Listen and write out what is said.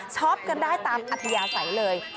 ชอบกันได้ตามอัธยาศัยเลย